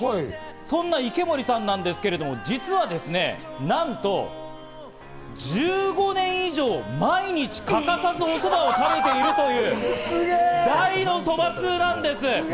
そんな池森さんなんですけど、実はですね、なんと、１５年以上、毎日欠かさずおそばを食べているという大のそば通なんです！